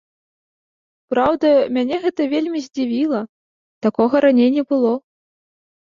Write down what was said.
Праўда, мяне гэта вельмі здзівіла, такога раней не было.